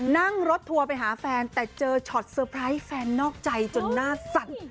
นั่งรถทัวร์ไปหาแฟนแต่เจอช็อตเตอร์ไพรส์แฟนนอกใจจนหน้าสั่น